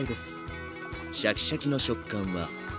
シャキシャキの食感はたまねぎ。